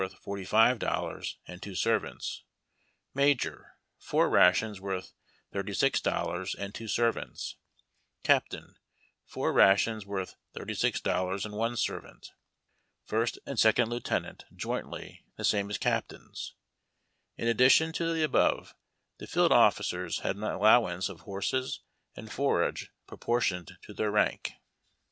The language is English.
ant Colonel, five ra tions Avorth $45, and two servants ; Major, four rations worth $36, and two servants ; Captain, four ra tions worth $36, and one servant ; First and Second Lieuten ants, jointly, the same as Captains. In addition to the above, the field officers had an allowance of horses and forage proportioned to their rank.